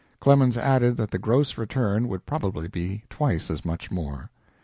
Clemens added that the gross return would probably be twice as much more.